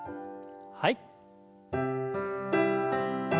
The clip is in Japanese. はい。